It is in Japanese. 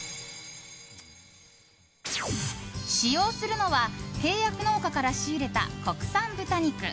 使用するのは契約農家から仕入れた国産豚肉。